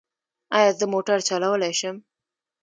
ایا زه موټر چلولی شم؟